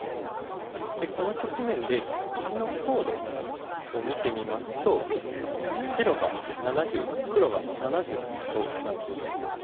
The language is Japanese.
でこの局面で石の強度を見てみますと白が７０黒が７０となっています。